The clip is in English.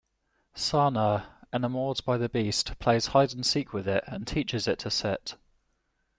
Sanna, enamored by the beast, plays hide-and-seek with it, and teaches it to sit.